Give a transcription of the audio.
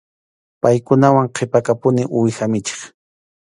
Paykunawan qhipakapuni uwiha michiq.